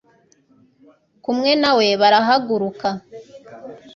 kumwe na we barahaguruka